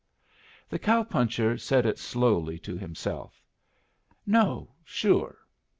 The cow puncher said it slowly to himself. "No, sure."